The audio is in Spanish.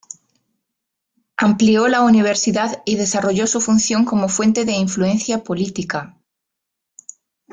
Amplió la Universidad y desarrolló su función como fuente de influencia política.